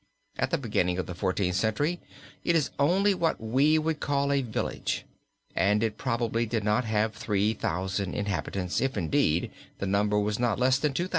At the beginning of the Fourteenth Century it is only what we would call a village, and it probably did not have 3,000 inhabitants, if, indeed, the number was not less than 2,000.